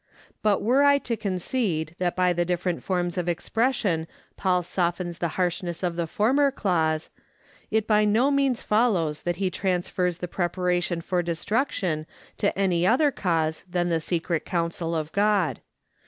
But were I to concede that by the different forms of expression Paul softens the harshness of the former clause, it by no means follows that he transfers the preparation for destruction to any other cause than the secret counsel of God.